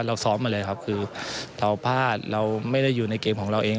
เราซ้อมมาเลยครับคือเราพลาดเราไม่ได้อยู่ในเกมของเราเอง